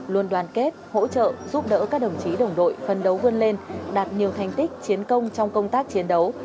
luôn đoàn kết hỗ trợ giúp đỡ các đồng chí đồng đội phân đấu vươn lên đạt nhiều thành tích chiến công trong công tác chiến đấu